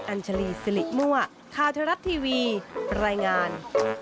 อัญชลีสิริมั่วข่าวเทวรัฐทีวีรายงาน